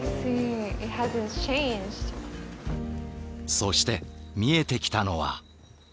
そして見えてきたのは。